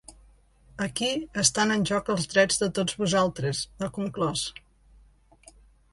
Aquí estan en joc els drets de tots vosaltres, ha conclòs.